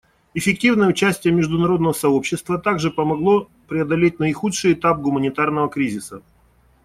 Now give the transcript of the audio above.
Эффективное участие международного сообщества также помогло преодолеть наихудший этап гуманитарного кризиса.